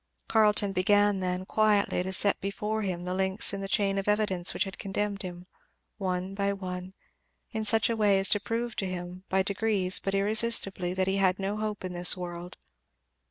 Carleton began then, quietly, to set before him the links in the chain of evidence which had condemned him one by one in such a way as to prove to him, by degrees but irresistibly, that he had no hope in this world.